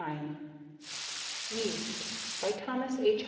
Zelmer YEAST By Thomas H.